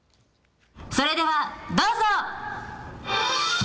それではどうぞ。